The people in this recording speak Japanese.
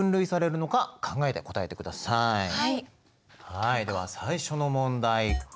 はいでは最初の問題。